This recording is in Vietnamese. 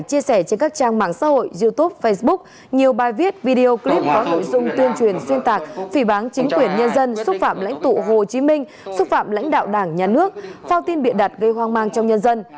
chia sẻ trên các trang mạng xã hội youtube facebook nhiều bài viết video clip có nội dung tuyên truyền xuyên tạc phỉ bán chính quyền nhân dân xúc phạm lãnh tụ hồ chí minh xúc phạm lãnh đạo đảng nhà nước phao tin bịa đặt gây hoang mang trong nhân dân